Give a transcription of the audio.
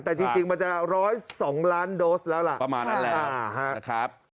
แต่จริงมันจะ๑๐๒ล้านโดสแล้วล่ะประมาณนั้นแหละนะครับ